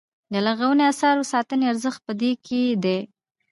د لرغونو اثارو ساتنې ارزښت په دې کې دی.